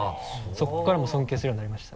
そこからもう尊敬するようになりました。